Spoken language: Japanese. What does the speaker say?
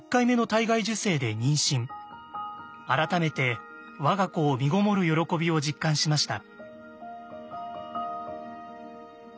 改めて我が子をみごもる喜びを実感しました。